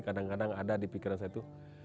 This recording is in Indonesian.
kadang kadang ada di pikiran saya itu